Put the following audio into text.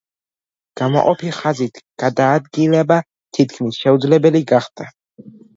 გამყოფი ხაზით გადაადგილება თითქმის შეუძლებელი გახდა.